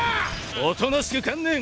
おとなしく観念！